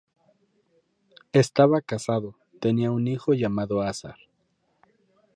Estaba casado, tenía un hijo llamado Azar.